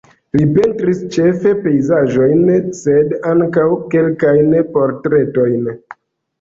Li pentris ĉefe pejzaĝojn sed ankaŭ kelkajn portretojn.